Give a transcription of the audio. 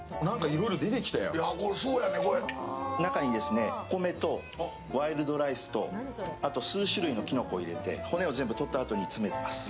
中にお米とワイルドライスと数種類のキノコを入れて骨を全部取ったあとに詰めています。